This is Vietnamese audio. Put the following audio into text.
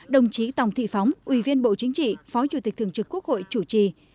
đồng chí tòng thị phóng ủy viên bộ chính trị phó chủ tịch thường trực quốc hội chủ trì